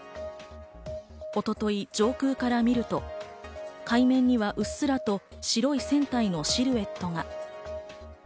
一昨日、上空から見ると、海面にはうっすらと白い船体のシルエットが。